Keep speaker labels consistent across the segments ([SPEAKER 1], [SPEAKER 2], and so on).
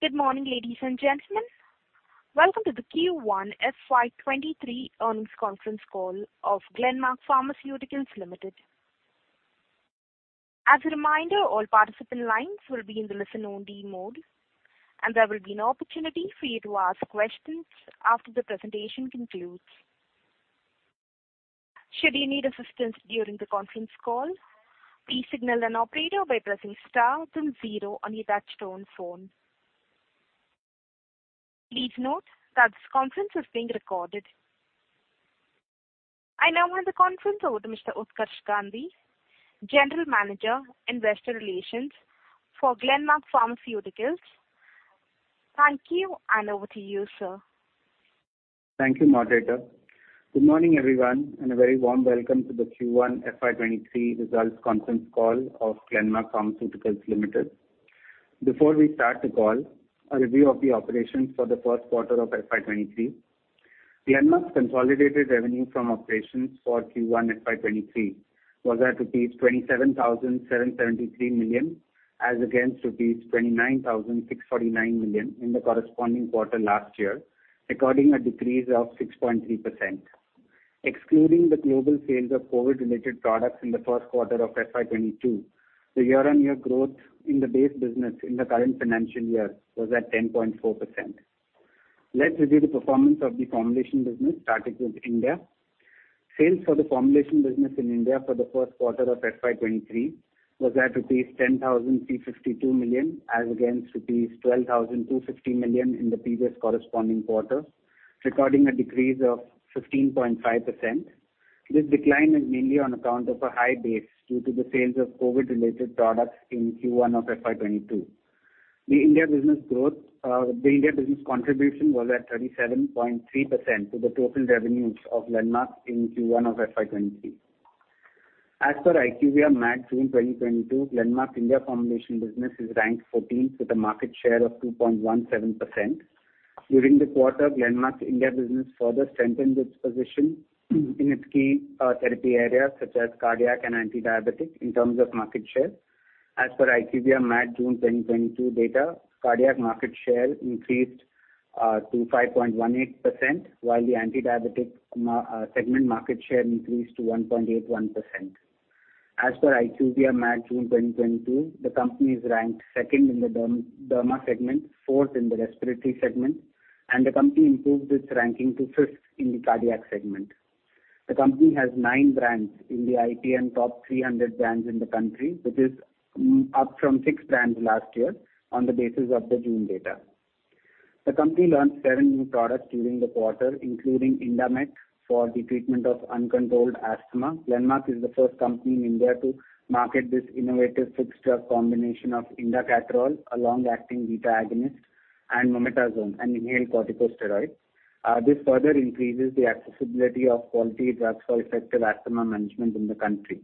[SPEAKER 1] Good morning, ladies and gentlemen. Welcome to the Q1 FY23 earnings conference call of Glenmark Pharmaceuticals Limited. As a reminder, all participant lines will be in the listen only mode, and there will be an opportunity for you to ask questions after the presentation concludes. Should you need assistance during the conference call, please signal an operator by pressing star then zero on your touchtone phone. Please note that this conference is being recorded. I now hand the conference over to Mr. Utkarsh Gandhi, General Manager, Investor Relations for Glenmark Pharmaceuticals. Thank you, and over to you, sir.
[SPEAKER 2] Thank you, moderator. Good morning, everyone, and a very warm welcome to the Q1 FY 2023 results conference call of Glenmark Pharmaceuticals Limited. Before we start the call, a review of the operations for the Q1 of FY 2023. Glenmark's consolidated revenue from operations for Q1 FY 2023 was at rupees 27,773 million, as against rupees 29,649 million in the corresponding quarter last year, recording a decrease of 6.3%. Excluding the global sales of COVID-related products in the Q1 of FY 2022, the year-on-year growth in the base business in the current financial year was at 10.4%. Let's review the performance of the formulation business, starting with India. Sales for the formulation business in India for the Q1 of FY 2023 was at rupees 10,352 million as against rupees 12,250 million in the previous corresponding quarter, recording a decrease of 15.5%. This decline is mainly on account of a high base due to the sales of COVID-related products in Q1 of FY 2022. The India business growth, the India business contribution was at 37.3% to the total revenues of Glenmark in Q1 of FY 2023. As per IQVIA MAT June 2022, Glenmark India formulation business is ranked 14th with a market share of 2.17%. During the quarter, Glenmark's India business further strengthened its position in its key therapy areas such as cardiac and antidiabetic in terms of market share. As per IQVIA MAT June 2022 data, cardiac market share increased to 5.18%, while the antidiabetic segment market share increased to 1.81%. As per IQVIA MAT June 2022, the company is ranked second in the derma segment, fourth in the respiratory segment, and the company improved its ranking to fifth in the cardiac segment. The company has nine brands in the IPM top 300 brands in the country, which is up from six brands last year on the basis of the June data. The company launched seven new products during the quarter, including Indamet for the treatment of uncontrolled asthma. Glenmark is the first company in India to market this innovative fixed drug combination of indacaterol, a long-acting beta-agonist, and mometasone, an inhaled corticosteroid. This further increases the accessibility of quality drugs for effective asthma management in the country.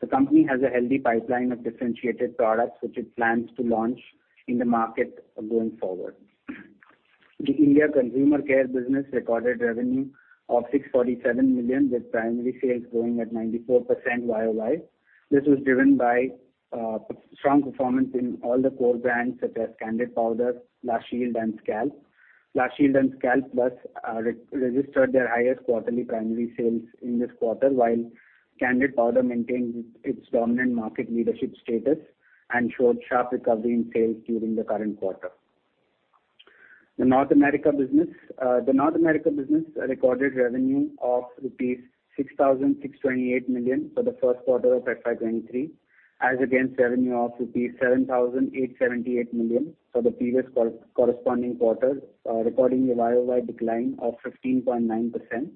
[SPEAKER 2] The company has a healthy pipeline of differentiated products which it plans to launch in the market going forward. The India consumer care business recorded revenue of 647 million, with primary sales growing at 94% YOY. This was driven by strong performance in all the core brands such as Candid Powder, La Shield, and Scalpe. La Shield and Scalpe Plus registered their highest quarterly primary sales in this quarter, while Candid Powder maintained its dominant market leadership status and showed sharp recovery in sales during the current quarter. The North America business, the North America business recorded revenue of rupees 6,628 million for the Q1 of FY 2023, as against revenue of rupees 7,878 million for the previous corresponding quarter, recording a YOY decline of 15.9%.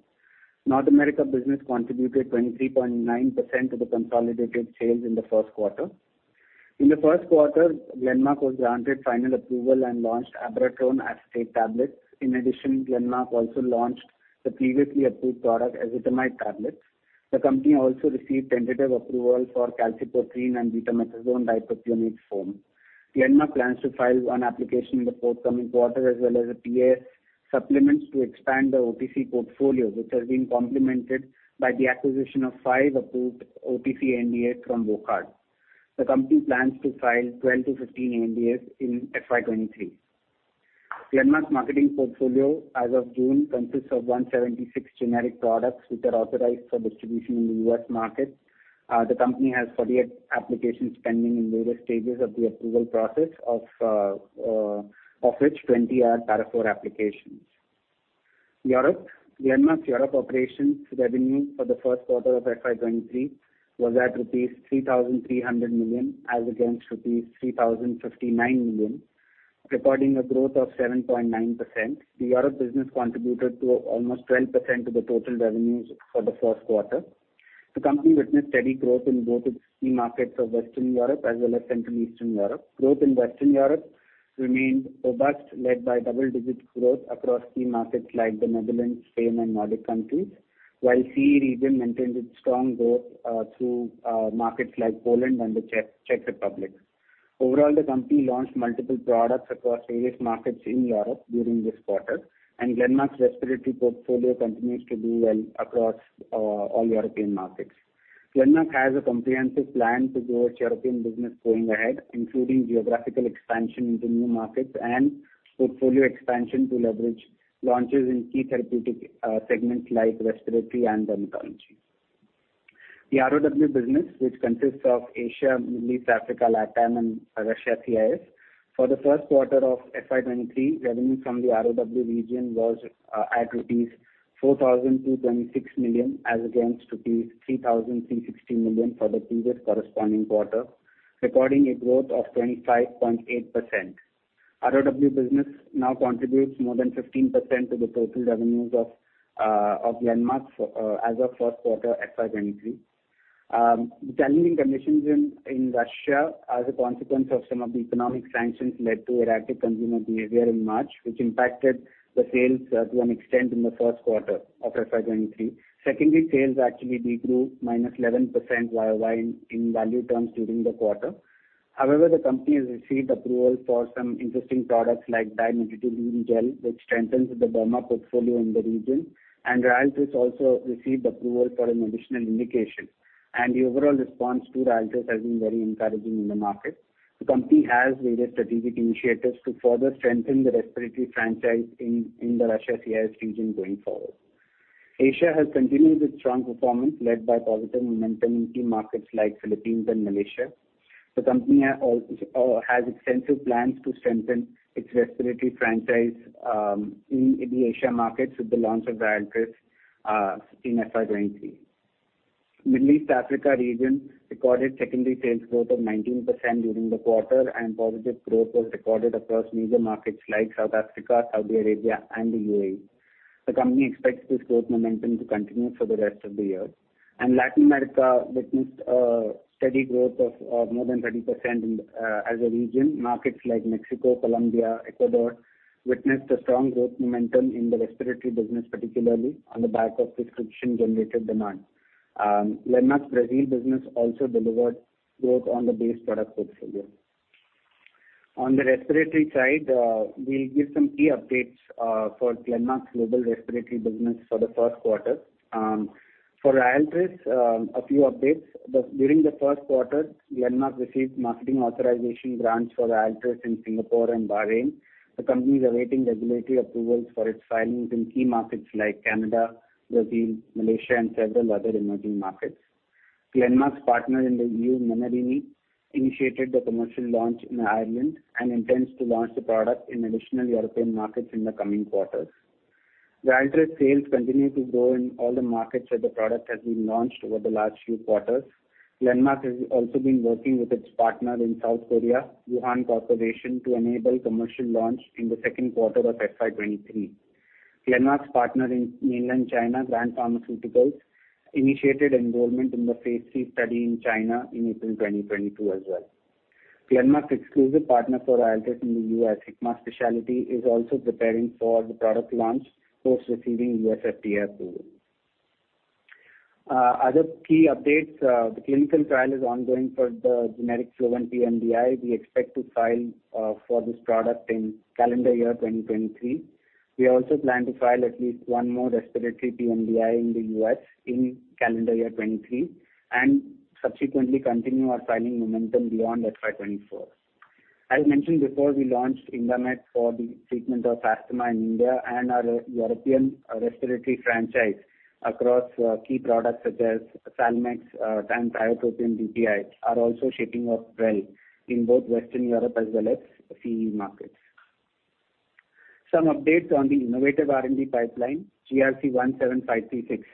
[SPEAKER 2] North America business contributed 23.9% to the consolidated sales in the Q1. In the Q1, Glenmark was granted final approval and launched Abiraterone Acetate tablets. In addition, Glenmark also launched the previously approved product Azithromycin tablets. The company also received tentative approval for calcipotriene and betamethasone dipropionate foam. Glenmark plans to file one application in the forthcoming quarter as well as Para IV supplements to expand the OTC portfolio, which has been complemented by the acquisition of five approved OTC NDAs from Wockhardt. The company plans to file 12-15 NDAs in FY 2023. Glenmark's marketing portfolio as of June consists of 176 generic products which are authorized for distribution in the U.S. market. The company has 48 applications pending in various stages of the approval process of which 20 are Para IV applications. Europe. Glenmark's Europe operations revenue for the Q1 of FY 2023 was at rupees 3,300 million as against rupees 3,059 million, recording a growth of 7.9%. The Europe business contributed to almost 12% of the total revenues for the Q1. The company witnessed steady growth in both its key markets of Western Europe as well as Central Eastern Europe. Growth in Western Europe remained robust, led by double-digit growth across key markets like the Netherlands, Spain, and Nordic countries, while CE region maintained its strong growth through markets like Poland and the Czech Republic. Overall, the company launched multiple products across various markets in Europe during this quarter, and Glenmark's respiratory portfolio continues to do well across all European markets. Glenmark has a comprehensive plan to grow its European business going ahead, including geographical expansion into new markets and portfolio expansion to leverage launches in key therapeutic segments like respiratory and dermatology. The ROW business, which consists of Asia, Middle East, Africa, LatAm, and Russia CIS. For the Q1 of FY 2023, revenue from the ROW region was at rupees 4,226 million, as against rupees 3,260 million for the previous corresponding quarter, recording a growth of 25.8%. ROW business now contributes more than 15% to the total revenues of Glenmark as of Q1 FY 2023. The challenging conditions in Russia as a consequence of some of the economic sanctions led to erratic consumer behavior in March, which impacted the sales to an extent in the Q1 of FY 2023. Secondly, sales actually decreased -11% YOY in value terms during the quarter. However, the company has received approval for some interesting products like Dimetindene gel, which strengthens the derma portfolio in the region. RYALTRIS also received approval for an additional indication, and the overall response to RYALTRIS has been very encouraging in the market. The company has various strategic initiatives to further strengthen the respiratory franchise in the Russia CIS region going forward. Asia has continued its strong performance, led by positive momentum in key markets like Philippines and Malaysia. The company has extensive plans to strengthen its respiratory franchise in the Asia markets with the launch of RYALTRIS in FY 2023. Middle East Africa region recorded secondary sales growth of 19% during the quarter, and positive growth was recorded across major markets like South Africa, Saudi Arabia, and the UAE. The company expects this growth momentum to continue for the rest of the year. Latin America witnessed a steady growth of more than 30% in the region. Markets like Mexico, Colombia, Ecuador witnessed a strong growth momentum in the respiratory business, particularly on the back of prescription-generated demand. Glenmark's Brazil business also delivered growth on the base product portfolio. On the respiratory side, we'll give some key updates for Glenmark's global respiratory business for the Q1. For RYALTRIS, a few updates. During the Q1, Glenmark received marketing authorization grants for RYALTRIS in Singapore and Bahrain. The company is awaiting regulatory approvals for its filings in key markets like Canada, Brazil, Malaysia, and several other emerging markets. Glenmark's partner in the EU, Menarini, initiated the commercial launch in Ireland and intends to launch the product in additional European markets in the coming quarters. RYALTRIS sales continue to grow in all the markets where the product has been launched over the last few quarters. Glenmark has also been working with its partner in South Korea, Yuhan Corporation, to enable commercial launch in the Q2 of FY 2023. Glenmark's partner in Mainland China, Grand Pharmaceutical Group, initiated enrollment in the phase 3 study in China in April 2022 as well. Glenmark's exclusive partner for RYALTRIS in the US, Hikma Pharmaceuticals, is also preparing for the product launch post receiving U.S. FDA approval. Other key updates. The clinical trial is ongoing for the generic Flovent pMDI. We expect to file for this product in calendar year 2023. We also plan to file at least one more respiratory pMDI in the US in calendar year 2023, and subsequently continue our filing momentum beyond FY 2024. As mentioned before, we launched Indamet for the treatment of asthma in India, and our European respiratory franchise across key products such as Salmex and Tiotropium pMDI are also shaping up well in both Western Europe as well as CE markets. Some updates on the innovative R&D pipeline. GRC 17536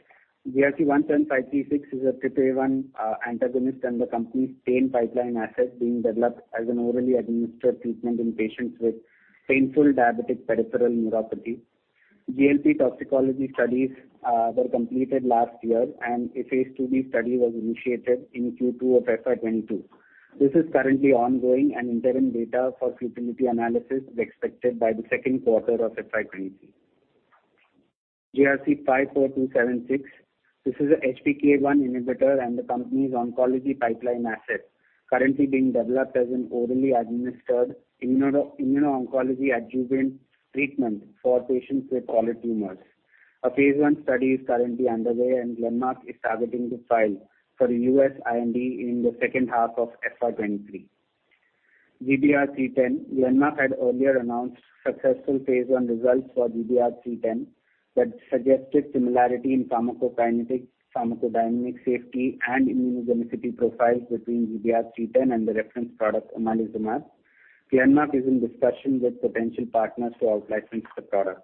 [SPEAKER 2] is a TRPA1 antagonist and the company's pain pipeline asset being developed as an orally administered treatment in patients with painful diabetic peripheral neuropathy. GLP toxicology studies were completed last year, and a phase 2B study was initiated in Q2 of FY 2022. This is currently ongoing, and interim data for futility analysis is expected by the Q2 of FY 2023. GRC 54276 is an HPK1 inhibitor and the company's oncology pipeline asset currently being developed as an orally administered immuno-oncology adjuvant treatment for patients with solid tumors. A phase 1 study is currently underway, and Glenmark is targeting to file for a U.S. IND in the second half of FY 2023. GBR 310. Glenmark had earlier announced successful phase 1 results for GBR 310 that suggested similarity in pharmacokinetic, pharmacodynamic, safety, and immunogenicity profiles between GBR 310 and the reference product Omalizumab. Glenmark is in discussion with potential partners to out-license the product.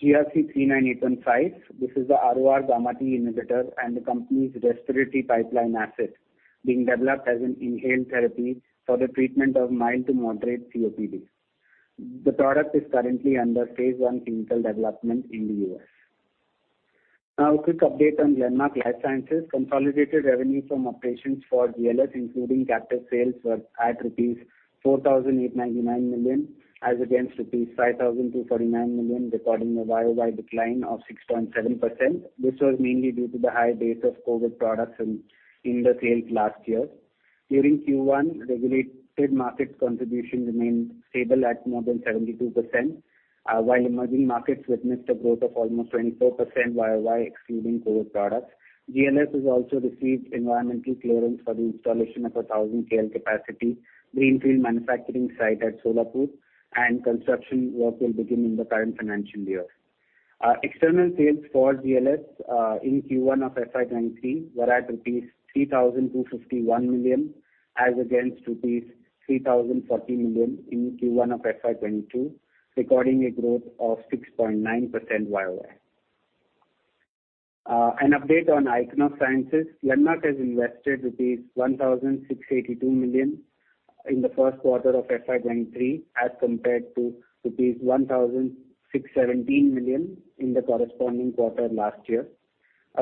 [SPEAKER 2] GRC 39815. This is a RORγt inhibitor and the company's respiratory pipeline asset being developed as an inhaled therapy for the treatment of mild to moderate COPD. The product is currently under phase 1 clinical development in the U.S. Now, a quick update on Glenmark Life Sciences. Consolidated revenue from operations for GLS, including captive sales, were at rupees 4,899 million, as against rupees 5,249 million, recording a YOY decline of 6.7%, which was mainly due to the high base of COVID products in the sales last year. During Q1, regulated markets contribution remained stable at more than 72%, while emerging markets witnessed a growth of almost 24% YOY excluding COVID products. GLS has also received environmental clearance for the installation of a 1,000 KL capacity greenfield manufacturing site at Solapur, and construction work will begin in the current financial year. External sales for GLS in Q1 of FY 2023 were at rupees 3,251 million as against rupees 3,040 million in Q1 of FY 2022, recording a growth of 6.9% YOY. An update on Ichnos Sciences. Landmark has invested rupees 1,682 million in the Q1 of FY 2023 as compared to rupees 1,617 million in the corresponding quarter last year.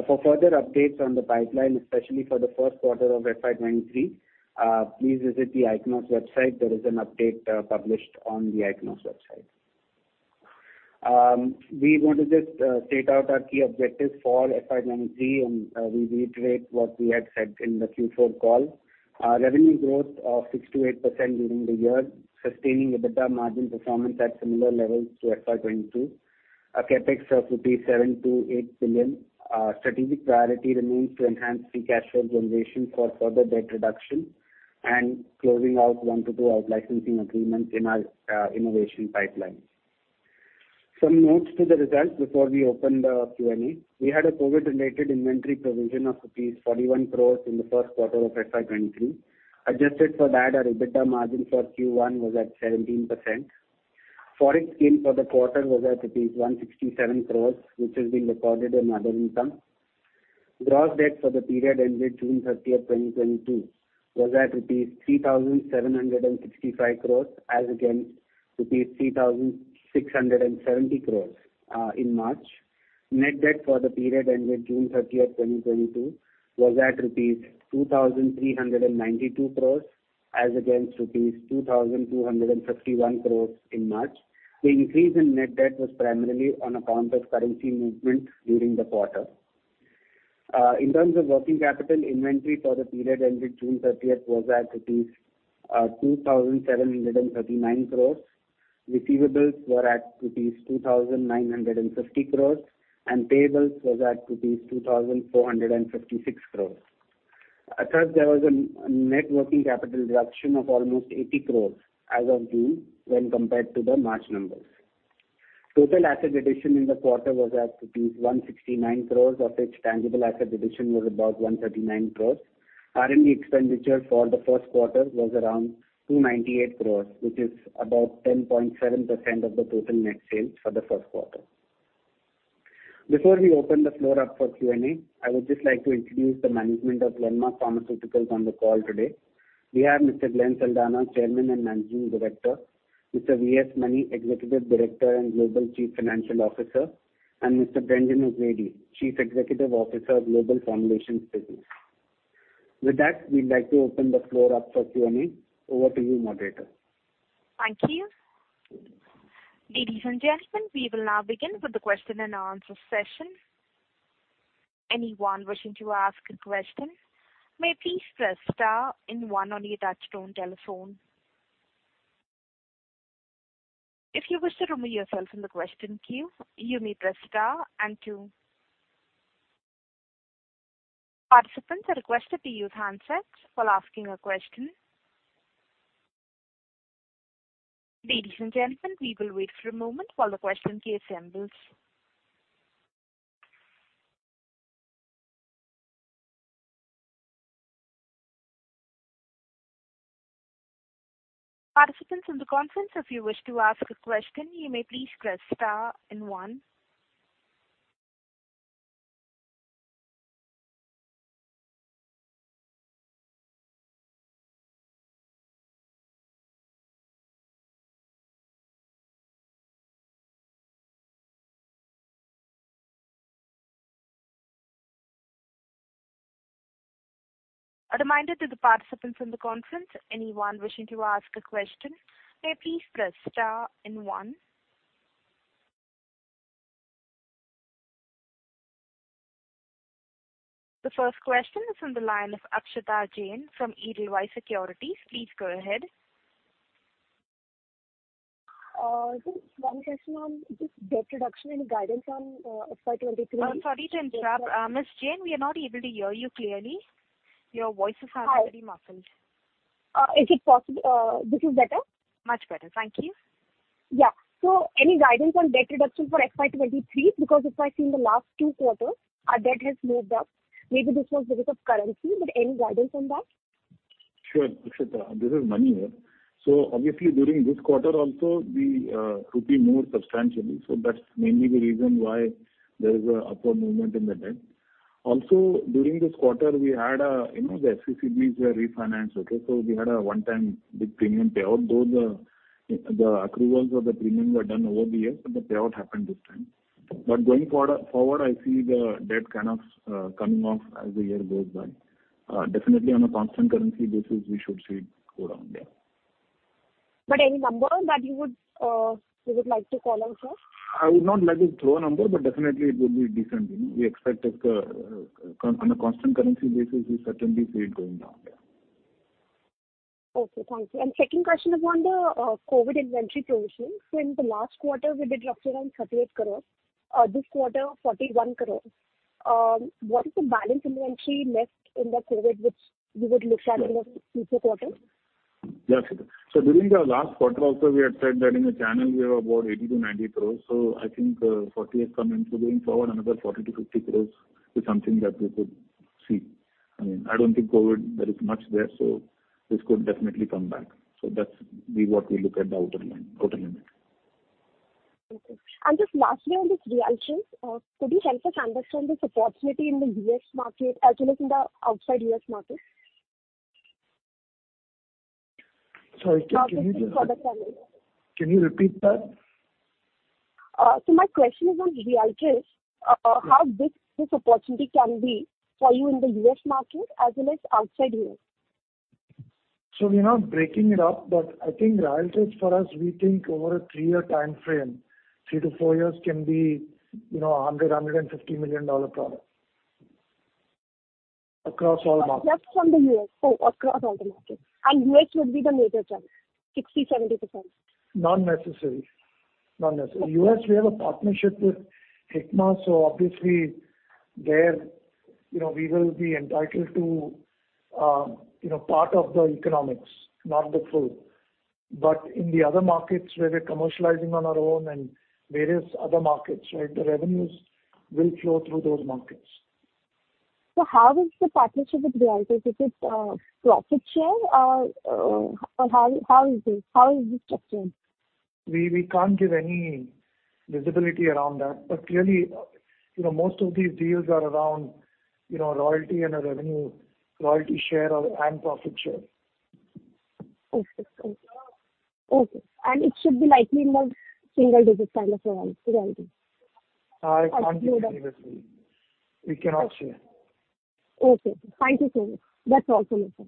[SPEAKER 2] For further updates on the pipeline, especially for the Q1 of FY 2023, please visit the Ichnos website. There is an update published on the Ichnos website. We want to just set out our key objectives for FY 2023, and we reiterate what we had said in the Q4 call. Revenue growth of 6%-8% during the year, sustaining EBITDA margin performance at similar levels to FY 2022. A CapEx of rupees 7-8 billion. Strategic priority remains to enhance free cash flow generation for further debt reduction and closing out 1-2 out-licensing agreements in our innovation pipeline. Some notes to the results before we open the Q&A. We had a COVID-related inventory provision of rupees 41 crore in the Q1 of FY 2023. Adjusted for that, our EBITDA margin for Q1 was at 17%. Forex gain for the quarter was at rupees 167 crore, which has been recorded in other income. Gross debt for the period ended June 30, 2022 was at rupees 3,765 crore as against rupees 3,670 crore in March. Net debt for the period ended June 30, 2022 was at rupees 2,392 crore as against rupees 2,251 crore in March. The increase in net debt was primarily on account of currency movement during the quarter. In terms of working capital inventory for the period ended June 30th was at rupees 2,739 crore. Receivables were at rupees 2,950 crore, and payables was at rupees 2,456 crore. Thus there was a net working capital reduction of almost 80 crore as of June when compared to the March numbers. Total asset addition in the quarter was at rupees 169 crore, of which tangible asset addition was about 139 crore. R&D expenditure for the Q1 was around 298 crore, which is about 10.7% of the total net sales for the Q1. Before we open the floor up for Q&A, I would just like to introduce the management of Glenmark Pharmaceuticals on the call today. We have Mr. Glenn Saldanha, Chairman and Managing Director, Mr. V.S. Mani, Executive Director and Global Chief Financial Officer, and Mr. V.S. Reddy, Chief Executive Officer, Global Formulations Business. With that, we'd like to open the floor up for Q&A. Over to you, moderator.
[SPEAKER 1] Thank you. Ladies and gentlemen, we will now begin with the question and answer session. Anyone wishing to ask a question may please press star and one on your touchtone telephone. If you wish to remove yourself from the question queue, you may press star and two. Participants are requested to use handsets while asking a question. Ladies and gentlemen, we will wait for a moment while the question queue assembles. Participants in the conference, if you wish to ask a question, you may please press star and one. A reminder to the participants in the conference, anyone wishing to ask a question, may please press star and one. The first question is on the line of Akshita Jain from Edelweiss Securities. Please go ahead.
[SPEAKER 3] Just one question on just debt reduction. Any guidance on FY 23-
[SPEAKER 1] Sorry to interrupt. Ms. Jain, we are not able to hear you clearly. Your voice is hardly muffled.
[SPEAKER 3] Hi. Is it possible this is better?
[SPEAKER 1] Much better. Thank you.
[SPEAKER 3] Yeah. Any guidance on debt reduction for FY 2023? Because if I see in the last two quarters, our debt has moved up. Maybe this was because of currency, but any guidance on that?
[SPEAKER 4] Sure, Akshita. This is V.S. Mani here. Obviously during this quarter also the rupee moved substantially, so that's mainly the reason why there is an upward movement in the debt. During this quarter, we had you know, the FCCBs were refinanced, okay? We had a one-time big premium payout, though the accruals or the premiums were done over the years, but the payout happened this time. Going forward, I see the debt kind of coming off as the year goes by. Definitely on a constant currency basis, we should see it go down, yeah.
[SPEAKER 3] Any number that you would like to call out, sir?
[SPEAKER 4] I would not like to throw a number, but definitely it will be different. You know, we expect it, on a constant currency basis, we certainly see it going down, yeah.
[SPEAKER 3] Okay, thank you. Second question is on the COVID inventory position. In the last quarter, we did roughly around 38 crore. This quarter, 41 crore. What is the balance inventory left in the COVID, which you would look at in the future quarter?
[SPEAKER 4] During the last quarter also we had said that in the channel we have about 80 crore-90 crore. I think 40 crore has come in. Going forward, another 40 crore-50 crore is something that we could see. I mean, I don't think COVID there is much there, so this could definitely come back. That's what we look at the outer limit.
[SPEAKER 3] Okay. Just lastly on this RYALTRIS, could you help us understand this opportunity in the U.S. market as well as in the outside U.S. market?
[SPEAKER 5] Sorry, can you just.
[SPEAKER 3] For the channels.
[SPEAKER 5] Can you repeat that?
[SPEAKER 3] My question is on RYALTRIS.
[SPEAKER 5] Yeah.
[SPEAKER 3] How big this opportunity can be for you in the U.S. market as well as outside U.S.?
[SPEAKER 5] We are not breaking it up, but I think RYALTRIS for us, we think over a 3-year timeframe, 3-4 years can be a $100-$150 million product. Across all markets.
[SPEAKER 3] Just from the U.S. Oh, across all the markets. U.S. would be the major chunk, 60%-70%.
[SPEAKER 5] Not necessary.
[SPEAKER 3] Okay.
[SPEAKER 5] U.S., we have a partnership with Hikma, so obviously there we will be entitled to part of the economics, not the full. In the other markets where we're commercializing on our own and various other markets, right, the revenues will flow through those markets.
[SPEAKER 3] How is the partnership with RYALTRIS? Is it profit share or how is it? How is it structured?
[SPEAKER 5] We can't give any visibility around that, but clearly most of these deals are around royalty and a revenue royalty share and profit share.
[SPEAKER 3] Okay. It should be likely in the single digit kind of royalty.
[SPEAKER 5] I can't give you this. We cannot share.
[SPEAKER 3] Okay. Thank you, sir. That's also enough, sir.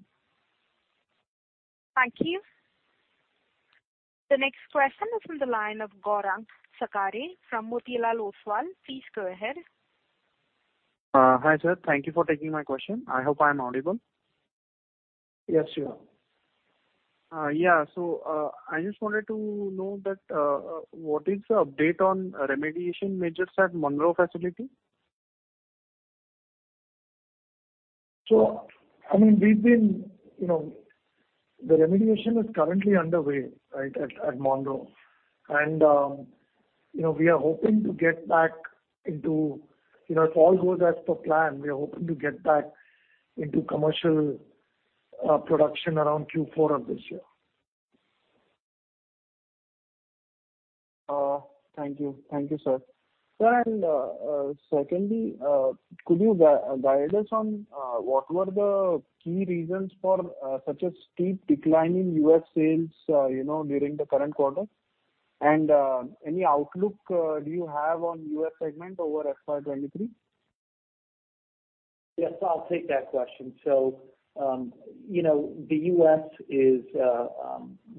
[SPEAKER 1] Thank you. The next question is from the line of Gaurang Sakaria from Motilal Oswal. Please go ahead.
[SPEAKER 6] Hi, sir. Thank you for taking my question. I hope I'm audible.
[SPEAKER 5] Yes, you are.
[SPEAKER 6] Yeah. I just wanted to know that, what is the update on remediation measures at Monroe facility?
[SPEAKER 5] I mean the remediation is currently underway, right, at Monroe. You know, if all goes as per plan, we are hoping to get back into commercial production around Q4 of this year.
[SPEAKER 6] Thank you, sir. Sir, secondly, could you guide us on what were the key reasons for such a steep decline in US sales during the current quarter? Any outlook do you have on US segment over FY 2023?
[SPEAKER 7] Yes, I'll take that question. You know, the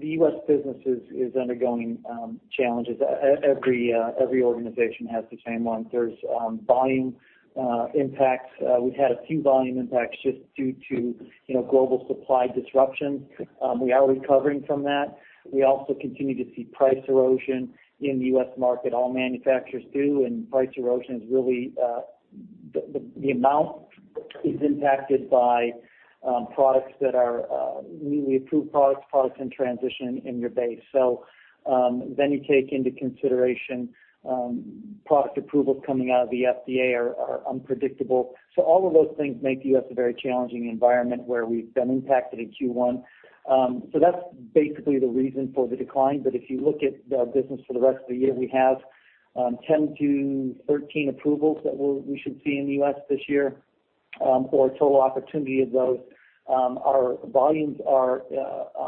[SPEAKER 7] U.S. business is undergoing challenges. Every organization has the same one. There's volume impacts. We've had a few volume impacts just due to global supply disruptions. We are recovering from that. We also continue to see price erosion in the U.S. market, all manufacturers do, and price erosion is really the amount is impacted by products that are newly approved products in transition in your base. Then you take into consideration product approvals coming out of the FDA are unpredictable. All of those things make U.S. a very challenging environment where we've been impacted in Q1. That's basically the reason for the decline. If you look at the business for the rest of the year, we have 10-13 approvals that we should see in the U.S. this year, or total opportunity of those. Our volumes are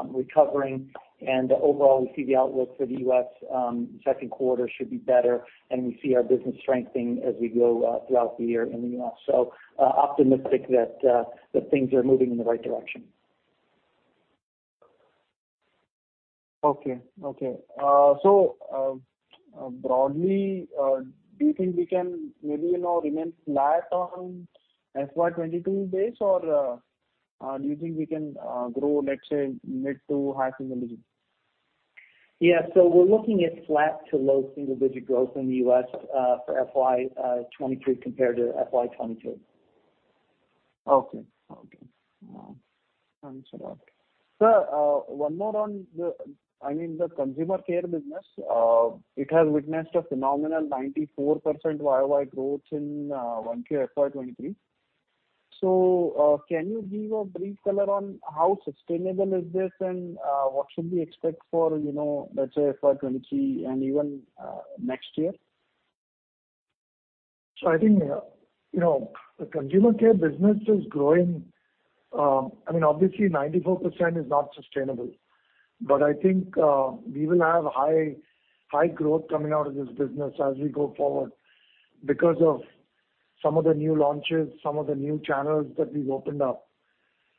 [SPEAKER 7] recovering and overall we see the outlook for the U.S. Q2 should be better and we see our business strengthening as we go throughout the year in the U.S. Optimistic that things are moving in the right direction.
[SPEAKER 6] Broadly, do you think we can maybe remain flat on FY 22 base, or do you think we can grow, let's say mid- to high-single digits?
[SPEAKER 7] We're looking at flat to low single-digit growth in the U.S. for FY 2023 compared to FY 2022.
[SPEAKER 6] Okay. Thanks a lot. Sir, one more on the, I mean, the consumer care business. It has witnessed a phenomenal 94% YOY growth in one year FY 2023. Can you give a brief color on how sustainable is this and what should we expect for let's say FY 2023 and even next year?
[SPEAKER 5] I think the consumer care business is growing. I mean, obviously 94% is not sustainable, but I think we will have high growth coming out of this business as we go forward because of some of the new launches, some of the new channels that we've opened up,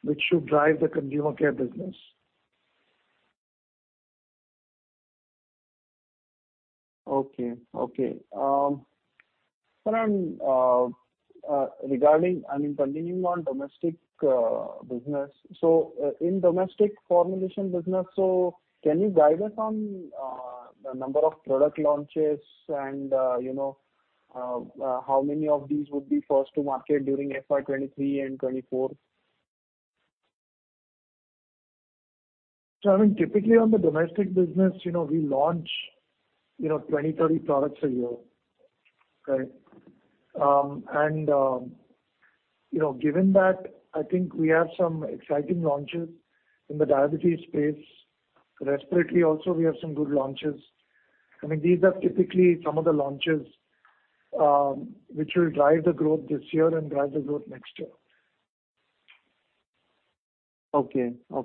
[SPEAKER 5] which should drive the consumer care business.
[SPEAKER 6] Okay, sir, and regarding, I mean, continuing on domestic business. In domestic formulation business, can you guide us on the number of product launches and how many of these would be first to market during FY 2023 and 2024?
[SPEAKER 5] I mean, typically on the domestic business we launch 20, 30 products a year. Right? You know, given that, I think we have some exciting launches in the diabetes space. Respiratory also, we have some good launches. I mean, these are typically some of the launches, which will drive the growth this year and drive the growth next year.
[SPEAKER 6] Okay. I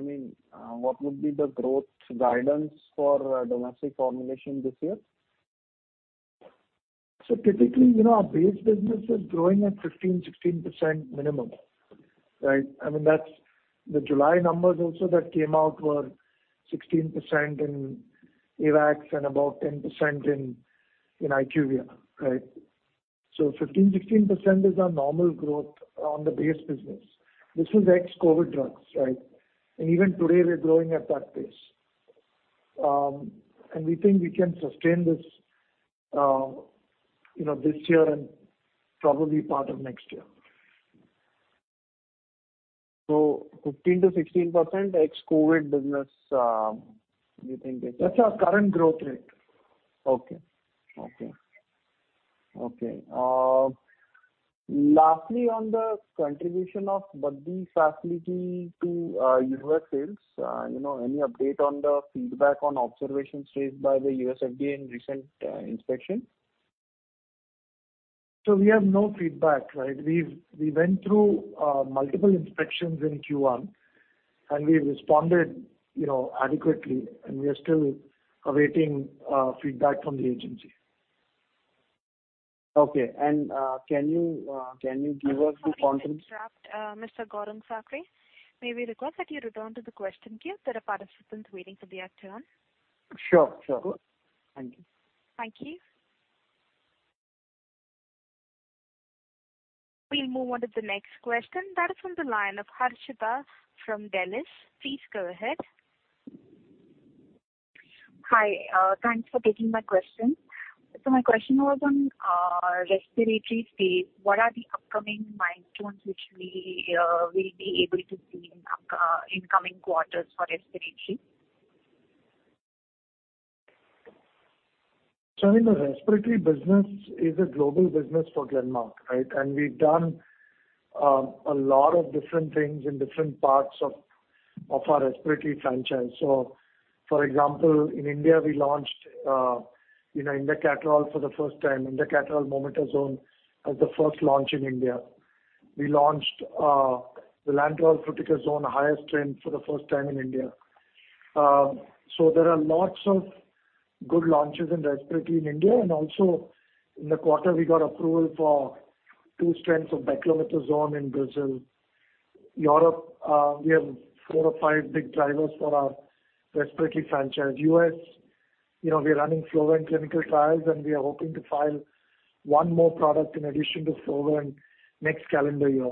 [SPEAKER 6] mean, what would be the growth guidance for domestic formulation this year?
[SPEAKER 5] typically our base business is growing at 15, 16% minimum, right? I mean, that's the July numbers also that came out were 16% in AWACS and about 10% in IQVIA, right? Fifteen, 16% is our normal growth on the base business. This is ex-COVID drugs, right? Even today, we're growing at that pace. We think we can sustain this this year and probably part of next year.
[SPEAKER 6] 15%-16% ex-COVID business, you think it's-
[SPEAKER 5] That's our current growth rate.
[SPEAKER 6] Okay. Lastly, on the contribution of Baddi facility to U.S. sales any update on the feedback on observations raised by the U.S. FDA in recent inspection?
[SPEAKER 5] We have no feedback, right? We went through multiple inspections in Q1, and we responded adequately, and we are still awaiting feedback from the agency.
[SPEAKER 6] Okay. Can you give us the confidence-
[SPEAKER 1] Sorry to interrupt, Mr. Gaurang Sakaria. May we request that you return to the question queue? There are participants waiting for their turn.
[SPEAKER 5] Sure. Sure.
[SPEAKER 1] Thank you. We'll move on to the next question. That is from the line of Harshita from Sanford C. Bernstein. Please go ahead.
[SPEAKER 8] Hi. Thanks for taking my question. My question was on respiratory space. What are the upcoming milestones which we will be able to see in incoming quarters for respiratory?
[SPEAKER 5] I mean, the respiratory business is a global business for Glenmark, right? We've done a lot of different things in different parts of our respiratory franchise. For example, in India, we launched you know, Indacaterol for the first time, Indacaterol mometasone as the first launch in India. We launched the Fluticasone propionate highest strength for the first time in India. There are lots of good launches in respiratory in India and also in the quarter we got approval for two strengths of beclomethasone in Brazil. Europe, we have four or five big drivers for our respiratory franchise. u.s. we're running Flovent clinical trials, and we are hoping to file one more product in addition to Flovent next calendar year.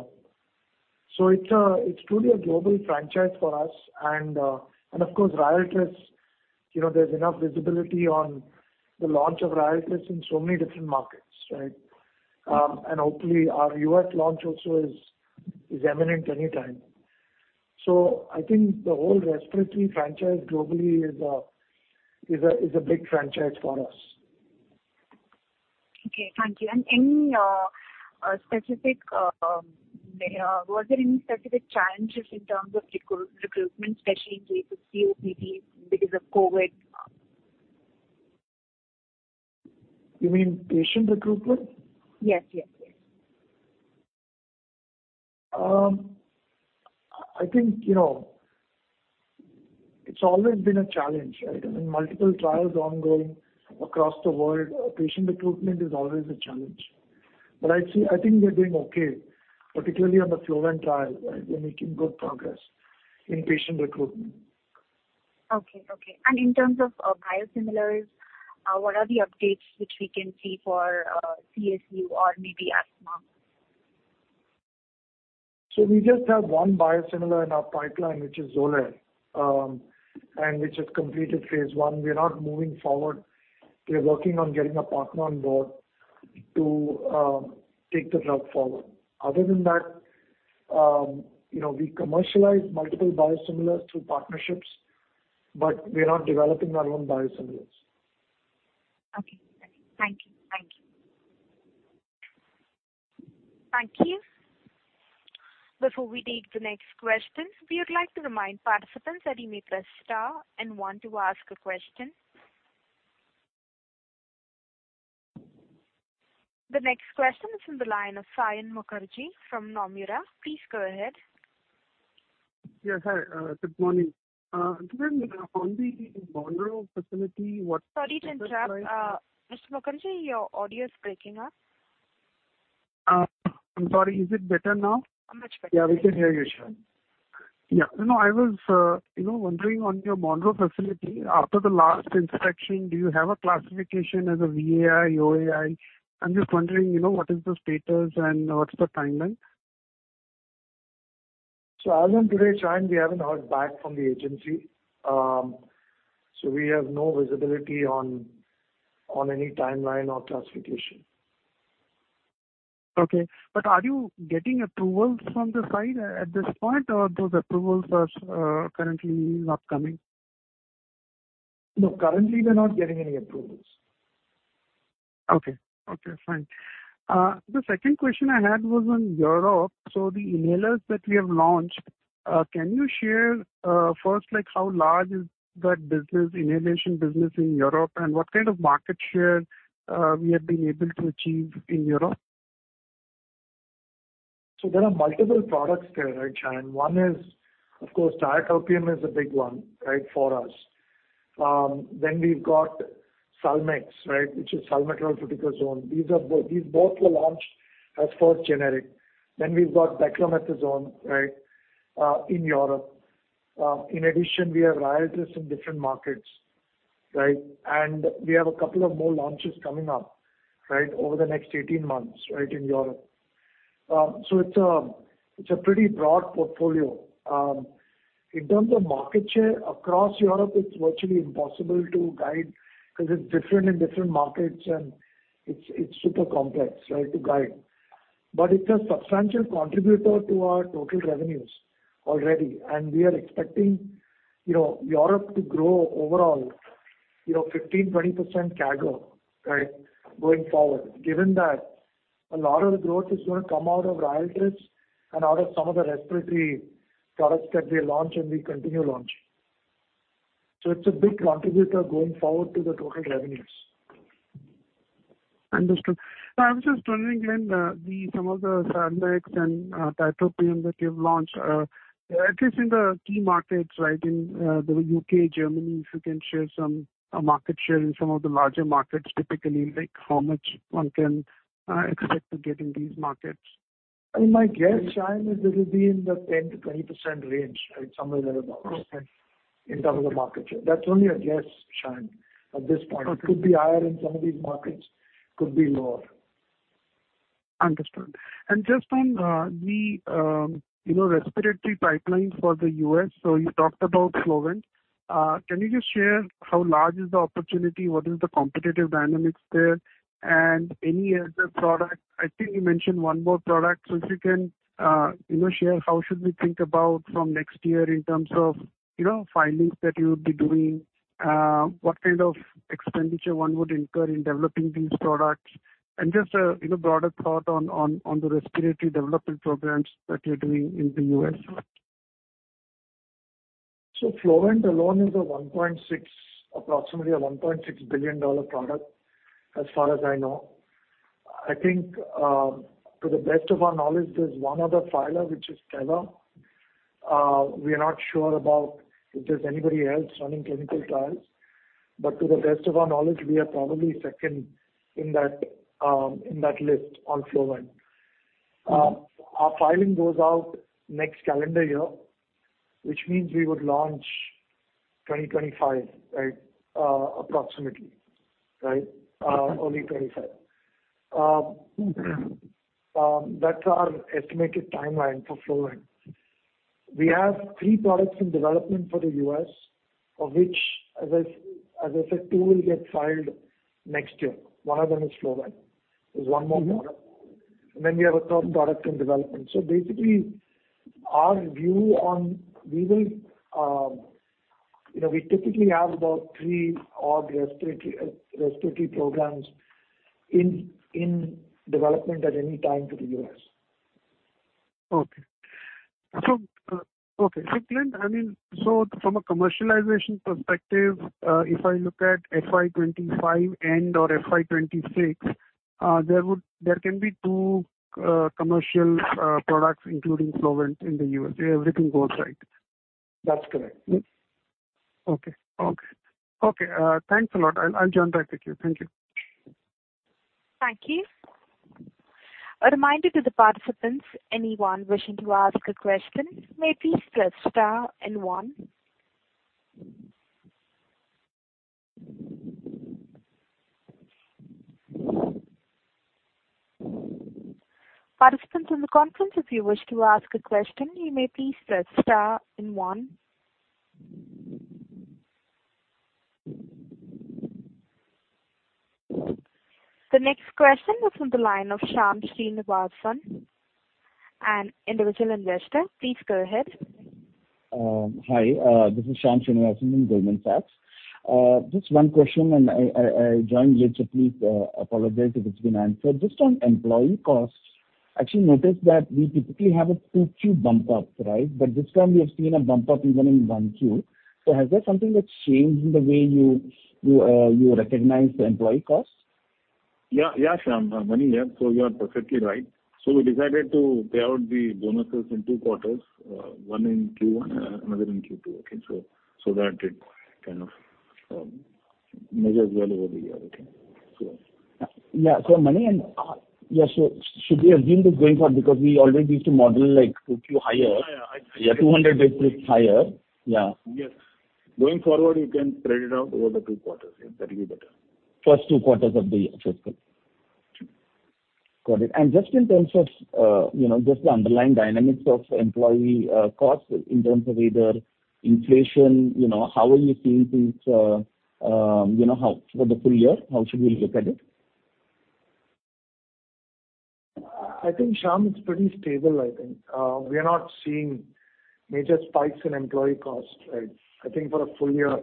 [SPEAKER 5] It's truly a global franchise for us. Of course, ryaltris there's enough visibility on the launch of RYALTRIS in so many different markets, right? Hopefully our U.S. launch also is imminent anytime. I think the whole respiratory franchise globally is a big franchise for us.
[SPEAKER 8] Okay, thank you. Was there any specific challenges in terms of recruitment, especially in COPD because of COVID?
[SPEAKER 5] You mean patient recruitment?
[SPEAKER 8] Yes. Yes. Yes.
[SPEAKER 5] I think it's always been a challenge, right? I mean, multiple trials ongoing across the world. Patient recruitment is always a challenge. I think we're doing okay, particularly on the Flovent trial, right? We're making good progress in patient recruitment.
[SPEAKER 8] Okay. In terms of biosimilars, what are the updates which we can see for CSU or maybe asthma?
[SPEAKER 5] We just have one biosimilar in our pipeline, which is Xolair, and which has completed phase one. We are not moving forward. We are working on getting a partner on board to take the drug forward. Other than that we commercialize multiple biosimilars through partnerships, but we are not developing our own biosimilars.
[SPEAKER 8] Okay. Thank you. Thank you.
[SPEAKER 1] Thank you. Before we take the next question, we would like to remind participants that you may press star and one to ask a question. The next question is from the line of Saion Mukherjee from Nomura. Please go ahead.
[SPEAKER 9] Yes. Hi, good morning. Glen, on the Monroe facility, what-
[SPEAKER 1] Sorry to interrupt. Mr. Mukherjee, your audio is breaking up.
[SPEAKER 9] I'm sorry. Is it better now?
[SPEAKER 1] Much better.
[SPEAKER 9] Yeah, we can hear you, sure. Yeah. No, no. I was wondering on your Monroe facility, after the last inspection, do you have a classification as a VAI, OAI? I'm just wondering what is the status and what's the timeline?
[SPEAKER 5] As on today, Saion Mukherjee, we haven't heard back from the agency. We have no visibility on any timeline or classification.
[SPEAKER 9] Okay. Are you getting approvals from the site at this point, or those approvals are currently not coming?
[SPEAKER 5] No, currently we're not getting any approvals.
[SPEAKER 9] Okay, fine. The second question I had was on Europe. The inhalers that we have launched, can you share, first, like, how large is that business, inhalation business in Europe, and what kind of market share we have been able to achieve in Europe?
[SPEAKER 5] There are multiple products there, right, Saion Mukherjee. One is, of course, Tiotropium is a big one, right, for us. Then we've got Salmex, right, which is salmeterol fluticasone. These both were launched as first generic. Then we've got beclomethasone, right, in Europe. In addition, we have Ryaltris in different markets, right? We have a couple of more launches coming up, right, over the next 18 months, right, in Europe. It's a pretty broad portfolio. In terms of market share, across Europe, it's virtually impossible to guide because it's different in different markets, and it's super complex, right, to guide. But it's a substantial contributor to our total revenues already. We are expecting Europe to grow overall 15%-20% CAGR, right, going forward. Given that a lot of the growth is gonna come out of RYALTRIS and out of some of the respiratory products that we launch and we continue launching. It's a big contributor going forward to the total revenues.
[SPEAKER 9] Understood. I was just wondering, some of the Salmex and Tiotropium that you've launched, at least in the key markets, right, in the U.K., Germany, if you can share some market share in some of the larger markets, typically like how much one can expect to get in these markets.
[SPEAKER 5] I mean, my guess, Saion, is it'll be in the 10%-20% range, right? Somewhere thereabout.
[SPEAKER 9] Okay.
[SPEAKER 5] In terms of the market share. That's only a guess, Saion, at this point.
[SPEAKER 9] Okay.
[SPEAKER 5] Could be higher in some of these markets, could be lower.
[SPEAKER 9] Understood. Just on the respiratory pipeline for the U.S., you talked about Flovent. Can you just share how large is the opportunity? What is the competitive dynamics there? And any other product. I think you mentioned one more product. If you can share how should we think about from next year in terms of filings that you would be doing, what kind of expenditure one would incur in developing these products, and just a broader thought on the respiratory development programs that you're doing in the U.S.
[SPEAKER 5] Flovent alone is a $1.6 billion, approximately a $1.6 billion product, as far as I know. I think, to the best of our knowledge, there's 1 other filer, which is Teva. We are not sure about if there's anybody else running clinical trials. To the best of our knowledge, we are probably second in that, in that list on Flovent. Our filing goes out next calendar year, which means we would launch 2025, right, approximately, right? Early 2025. That's our estimated timeline for Flovent. We have 3 products in development for the U.S., of which, as I said, 2 will get filed next year. One of them is Flovent. There's 1 more product. We have a third product in development. Basically, our view on. We will, You know, we typically have about three odd respiratory programs in development at any time for the U.S.
[SPEAKER 9] Glenn, I mean, from a commercialization perspective, if I look at FY 25 and/or FY 26, there can be two commercial products including Flovent in the U.S. if everything goes right.
[SPEAKER 5] That's correct.
[SPEAKER 9] Okay. Thanks a lot. I'll join back the queue. Thank you.
[SPEAKER 1] Thank you. A reminder to the participants, anyone wishing to ask a question may please press star and one. Participants in the conference, if you wish to ask a question, you may please press star and one. The next question is from the line of Shyam Srinivasan, an individual investor. Please go ahead.
[SPEAKER 10] Hi, this is Shyam Srinivasan from Goldman Sachs. Just one question and I join you, so please apologize if it's been answered. Just on employee costs. Actually noticed that we typically have a 2Q bump up, right? But this time we have seen a bump up even in 1Q. Has that something that's changed in the way you recognize the employee costs?
[SPEAKER 4] Yeah, Shyam. V.S. Mani, yeah. You are perfectly right. We decided to pay out the bonuses in two quarters, one in Q1, another in Q2. Okay. So that it kind of measures well over the year. Okay.
[SPEAKER 10] Mani, should we assume this going forward because we already used to model, like, 2Q higher?
[SPEAKER 4] Yeah, yeah. I think, yeah. Yeah, 200 basis higher. Yeah.
[SPEAKER 5] Yes. Going forward, you can spread it out over the two quarters. Yeah, that'll be better.
[SPEAKER 10] First two quarters of the fiscal. Got it. Just in terms of just the underlying dynamics of employee costs in terms of either inflation how are you seeing things for the full year, how should we look at it?
[SPEAKER 4] I think, Shyam, it's pretty stable, I think. We are not seeing major spikes in employee costs, right? I think for a full year,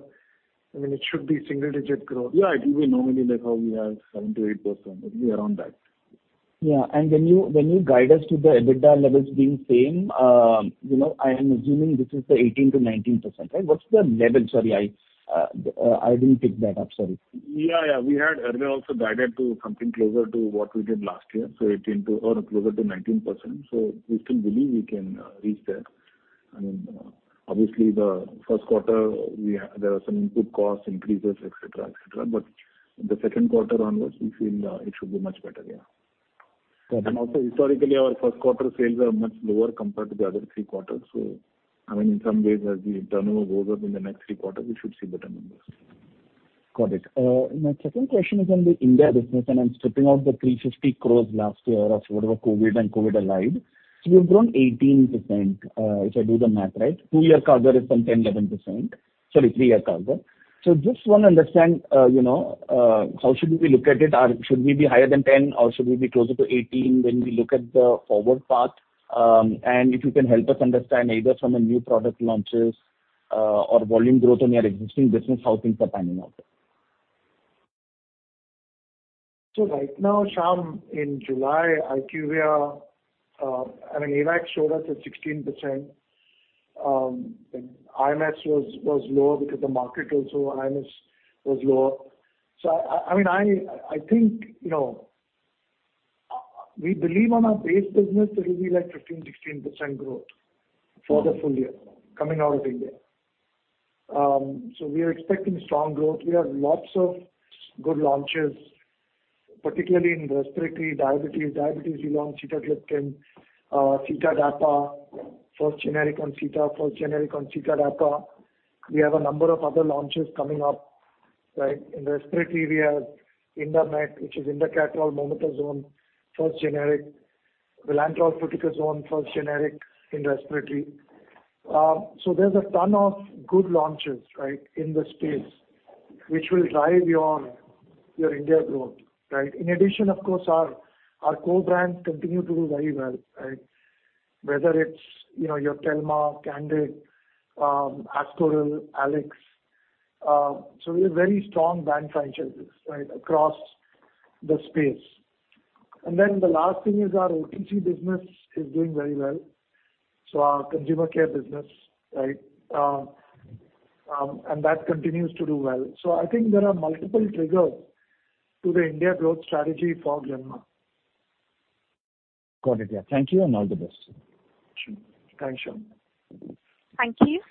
[SPEAKER 4] I mean, it should be single digit growth. Yeah, it will be normally like how we have 7%-8%, maybe around that.
[SPEAKER 10] Yeah. When you guide us to the EBITDA levels being same I am assuming this is the 18%-19%, right? What's the level? Sorry, I didn't pick that up. Sorry.
[SPEAKER 4] Yeah. We had earlier also guided to something closer to what we did last year, so 18% or closer to 19%. We still believe we can reach there. I mean, obviously the Q1 there were some input cost increases, et cetera, et cetera. The Q2 onwards, we feel it should be much better. Yeah. Got it. Historically our Q1 sales are much lower compared to the other three quarters. I mean, in some ways as the turnover goes up in the next three quarters, we should see better numbers.
[SPEAKER 10] Got it. My second question is on the India business, and I'm stripping out the 350 crore last year of whatever COVID and COVID allied. You've grown 18%, if I do the math right. Two-year CAGR is some 10, 11%. Sorry, three-year CAGR. Just wanna understand how should we look at it? Or should we be higher than 10% or should we be closer to 18% when we look at the forward path? And if you can help us understand either from a new product launches, or volume growth on your existing business, how things are panning out there.
[SPEAKER 5] Right now, Shyam, in July, IQVIA, I mean, AWACS showed us at 16%. And IMS was lower because the market also, IMS was lower. I mean, I think we believe on our base business it will be like 15%-16% growth for the full year coming out of India. We are expecting strong growth. We have lots of good launches, particularly in respiratory, diabetes. Diabetes, we launched sitagliptin/dapagliflozin, first generic on sitagliptin, first generic on sitagliptin/dapagliflozin. We have a number of other launches coming up, right? In respiratory we have Indamet, which is indacaterol mometasone, first generic. Vilanterol/Fluticasone, first generic in respiratory. There's a ton of good launches, right, in the space which will drive your India growth, right? In addition, of course, our core brands continue to do very well, right? Whether it's your Telma, Candid, Ascoril, Alex. We have very strong brand franchises, right, across the space. The last thing is our OTC business is doing very well. Our consumer care business, right? And that continues to do well. I think there are multiple triggers to the India growth strategy for Glenmark.
[SPEAKER 10] Got it. Yeah. Thank you and all the best.
[SPEAKER 5] Sure. Thanks, Sham.
[SPEAKER 1] Thank you.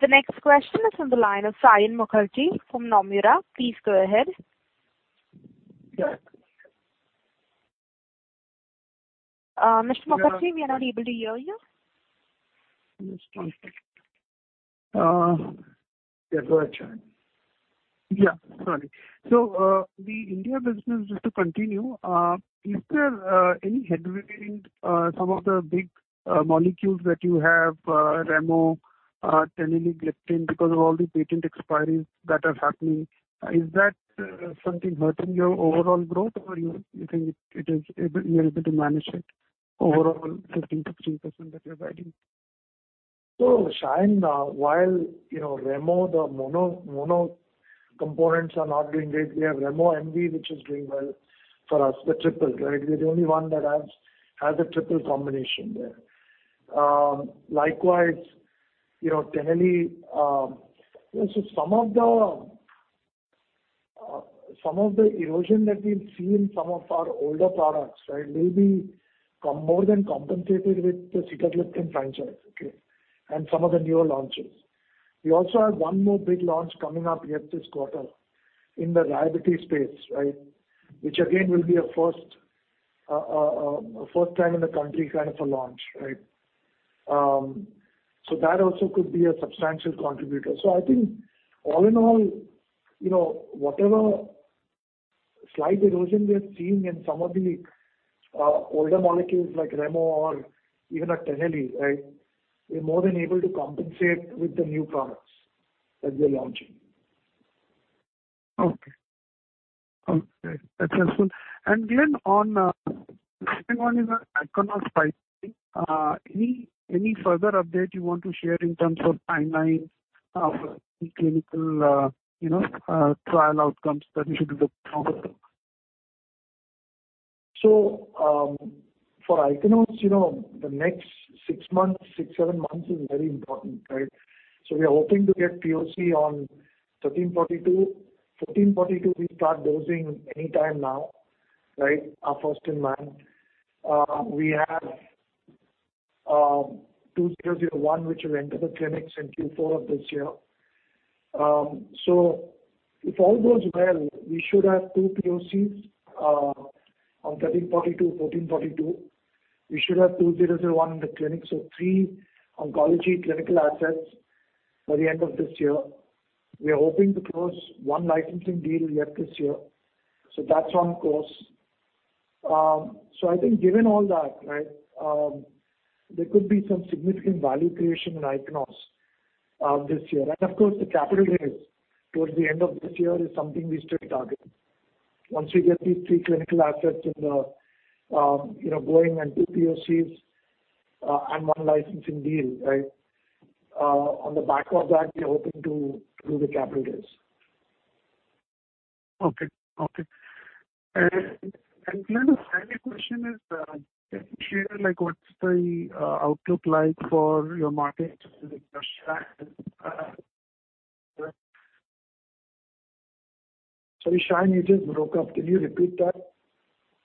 [SPEAKER 1] The next question is on the line of Saion Mukherjee from Nomura. Please go ahead.
[SPEAKER 5] Yeah.
[SPEAKER 1] Mr. Mukherjee, we are not able to hear you.
[SPEAKER 5] Yes, go ahead, Saion.
[SPEAKER 9] Yeah. Sorry. The India business, just to continue, is there any headwind, some of the big molecules that you have, Remo, teneligliptin because of all the patent expiries that are happening? Is that something hurting your overall growth or you think it is. You are able to manage it overall 15%-30% that you're guiding?
[SPEAKER 5] Saion, while you know Remo, the mono components are not doing great, we have Remo-M which is doing well for us, the triple, right? We're the only one that has a triple combination there. likewise teneligliptin, so some of the erosion that we've seen some of our older products, right, may be more than compensated with the Sitagliptin franchise, okay? Some of the newer launches. We also have one more big launch coming up yet this quarter in the diabetes space, right? Which again, will be a first time in the country kind of a launch, right? So that also could be a substantial contributor. I think all in all whatever slight erosion we are seeing in some of the older molecules like Remo or even teneligliptin, right? We're more than able to compensate with the new products that we're launching.
[SPEAKER 9] Okay. That's helpful. Glenn, the second one is on IND. Any further update you want to share in terms of timeline of the clinical trial outcomes that we should look out for?
[SPEAKER 5] For ichnos the next six, seven months is very important, right? We are hoping to get POC on ISB 1342. ISB 1442, we start dosing any time now, right? Our first-in-human. We have ISB 2001, which will enter the clinics in Q4 of this year. If all goes well, we should have two POCs on ISB 1342, ISB 1442. We should have ISB 2001 in the clinics, so three oncology clinical assets by the end of this year. We are hoping to close one licensing deal yet this year. That's on course. I think given all that, right, there could be some significant value creation in Ichnos this year. Of course, the capital raise towards the end of this year is something we still target. Once we get these three clinical assets in the going and two POCs, and one licensing deal, right, on the back of that, we are hoping to do the capital raise.
[SPEAKER 9] Okay. Glenn, the second question is, can you share, like, what's the outlook like for your markets, like Russia and
[SPEAKER 5] Sorry, Saion Mukherjee, you just broke up. Can you repeat that?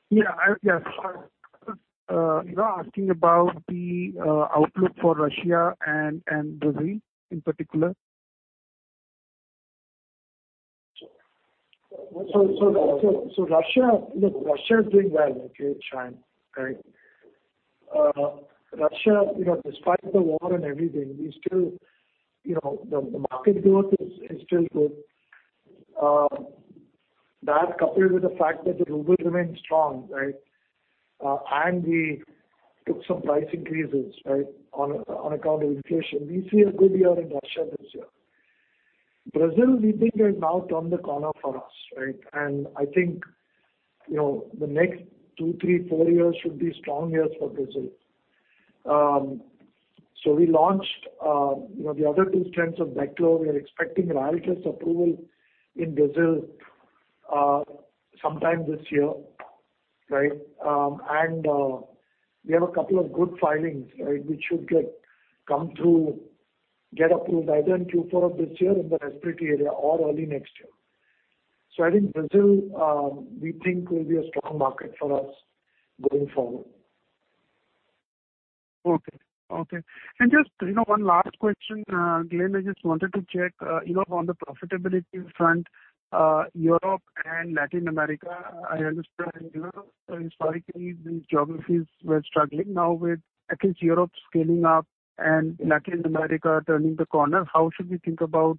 [SPEAKER 9] Yeah, yes. You know, asking about the outlook for Russia and Brazil in particular.
[SPEAKER 5] Russia. Look, Russia is doing well, okay, Saion? Right. russia despite the war and everything, we still the market growth is still good. That coupled with the fact that the ruble remains strong, right? And we took some price increases, right, on account of inflation. We see a good year in Russia this year. Brazil, we think, has now turned the corner for us, right? I think the next two, three, four years should be strong years for Brazil. We launched the other two strengths of Daktela. We are expecting Ryaltris approval in Brazil, sometime this year, right? We have a couple of good filings, right, which should come through, get approved either in Q4 of this year in the respiratory area or early next year. I think Brazil, we think will be a strong market for us going forward.
[SPEAKER 9] Okay. just one last question, Glenn, I just wanted to check on the profitability front, Europe and Latin America, I understand historically these geographies were struggling. Now with at least Europe scaling up and Latin America turning the corner, how should we think about,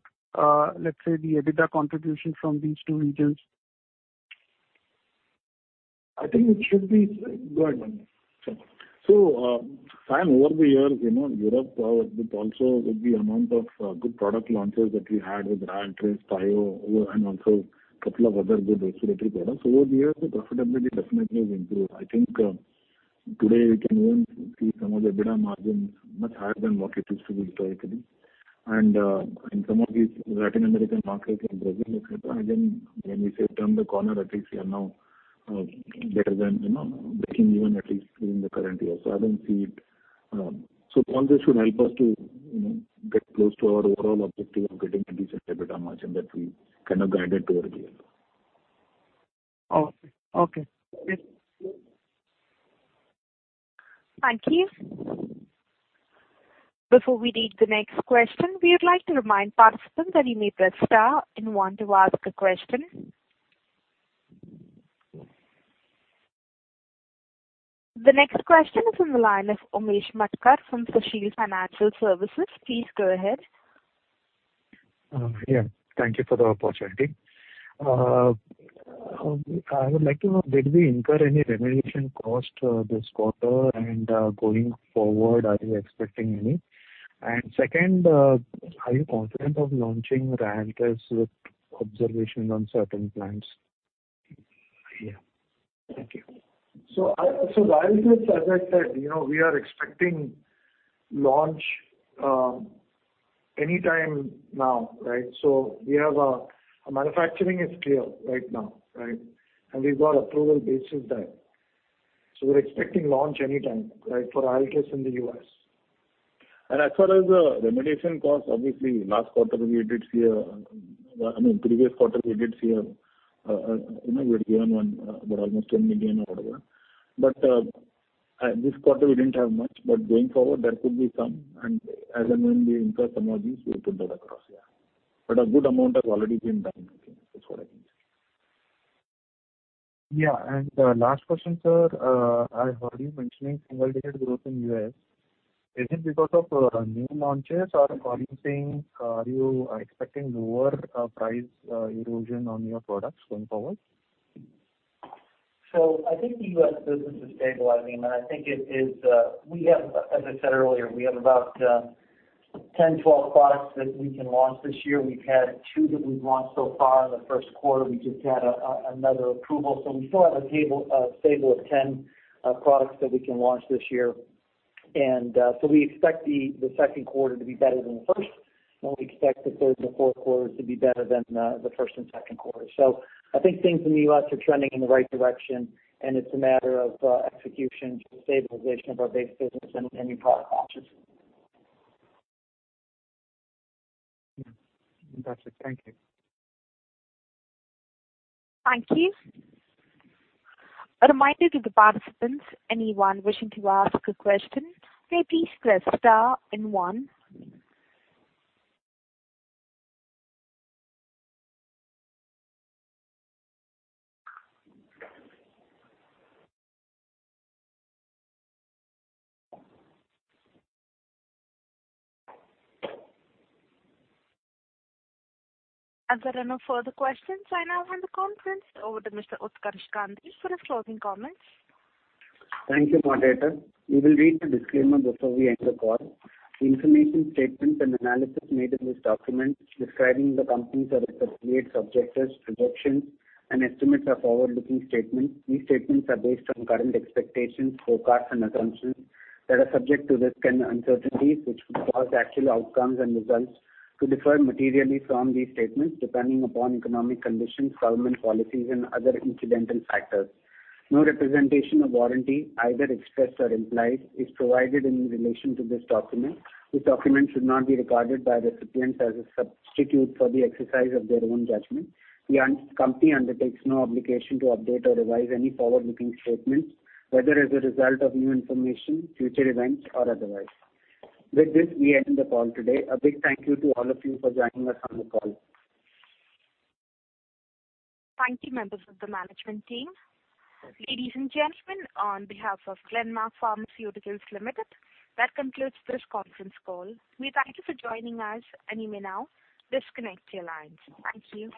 [SPEAKER 9] let's say, the EBITDA contribution from these two regions?
[SPEAKER 5] Go ahead, Manny.
[SPEAKER 4] Sure. Saion Mukherjee, over the years Europe, with also with the amount of, good product launches that we had with RYALTRIS, Tiogiva, and also a couple of other good respiratory products. Over the years, the profitability definitely has improved. I think, today we can even see some of the EBITDA margins much higher than what it used to be historically. In some of these Latin American markets, in Brazil, et cetera, again, when we say turn the corner, at least we are now, better than breaking even at least during the current year. I don't see it. All this should help us to get close to our overall objective of getting at least an EBITDA margin that we kind of guided toward the end.
[SPEAKER 9] Okay. Great.
[SPEAKER 1] Thank you. Before we take the next question, we would like to remind participants that you may press star and one to ask a question. The next question is from the line of Umesh Matkar from Ashirwad Financial Services. Please go ahead.
[SPEAKER 11] Thank you for the opportunity. I would like to know, did we incur any remediation cost this quarter? Going forward, are you expecting any? Second, are you confident of launching RYALTRIS with observations on certain plants? Thank you.
[SPEAKER 5] Ryaltris, as I said we are expecting launch anytime now, right? Manufacturing is clear right now, right? We've got approval basis done. We're expecting launch anytime, right? For Ryaltris in the US.
[SPEAKER 4] As far as the remediation cost, obviously, I mean, previous quarter we did see we had given one about almost 10 million or whatever. This quarter we didn't have much. Going forward, there could be some. As and when we incur some of these, we'll put that across. Yeah. A good amount has already been done. That's what I can say.
[SPEAKER 11] Yeah, last question, sir. I heard you mentioning single-digit growth in U.S. Is it because of new launches? Or are you saying are you expecting lower price erosion on your products going forward?
[SPEAKER 7] I think the U.S. business is stabilizing, and I think it is. We have, as I said earlier, we have about 10-12 products that we can launch this year. We've had 2 that we've launched so far in the Q1. We just had another approval. We still have a stable of 10 products that we can launch this year. We expect the Q2 to be better than the first, and we expect the third and the Q4s to be better than the first and Q2. I think things in the U.S. are trending in the right direction and it's a matter of execution, stabilization of our base business and new product launches.
[SPEAKER 4] Yeah. That's it. Thank you.
[SPEAKER 1] Thank you. A reminder to the participants, anyone wishing to ask a question, may please press star and one. As there are no further questions, I now hand the conference over to Mr. Utkarsh Gandhi for his closing comments.
[SPEAKER 2] Thank you, moderator. We will read the disclaimer before we end the call. Information, statements, and analysis made in this document describing the company's or its affiliates' objectives, projections, and estimates are forward-looking statements. These statements are based on current expectations, forecasts, and assumptions that are subject to risk and uncertainties, which could cause actual outcomes and results to differ materially from these statements depending upon economic conditions, government policies, and other incidental factors. No representation or warranty, either expressed or implied, is provided in relation to this document. This document should not be regarded by recipients as a substitute for the exercise of their own judgment. The company undertakes no obligation to update or revise any forward-looking statements, whether as a result of new information, future events, or otherwise. With this, we end the call today. A big thank you to all of you for joining us on the call.
[SPEAKER 1] Thank you, members of the management team. Ladies and gentlemen, on behalf of Glenmark Pharmaceuticals Limited, that concludes this conference call. We thank you for joining us, and you may now disconnect your lines. Thank you.